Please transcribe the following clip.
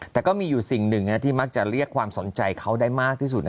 แต่ก็มีอยู่สิ่งหนึ่งที่มักจะเรียกความสนใจเขาได้มากที่สุด